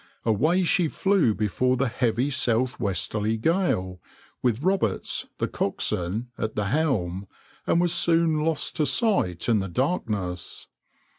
Away she flew before the heavy south westerly gale, with Roberts, the coxswain, at the helm, and was soon lost to sight in the darkness.